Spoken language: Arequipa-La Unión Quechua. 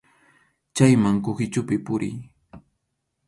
Chayman kuhichupi puriy.